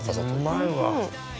うまいわ。